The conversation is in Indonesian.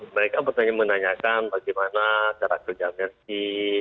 maksudnya menanyakan bagaimana cara kerja mersi